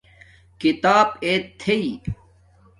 کھیتاپ ایت تھݵ